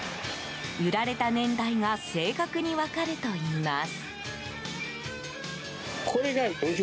売られた年代が正確に分かるといいます。